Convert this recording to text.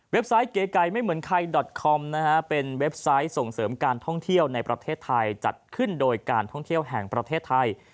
ไซต์เก๋ไก่ไม่เหมือนใครดอตคอมนะฮะเป็นเว็บไซต์ส่งเสริมการท่องเที่ยวในประเทศไทยจัดขึ้นโดยการท่องเที่ยวแห่งประเทศไทย